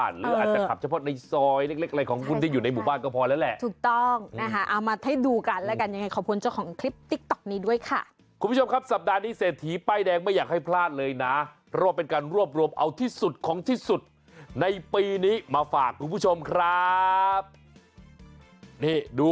เพื่อเป็นการช่วยตามหาน้องเขารวมไปถึงกดไลค์กดแชร์